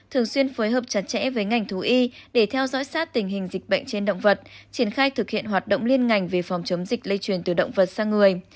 thường xuyên phối hợp chặt chẽ với ngành thú y để theo dõi sát tình hình dịch bệnh trên động vật triển khai thực hiện hoạt động liên ngành về phòng chống dịch lây truyền từ động vật sang người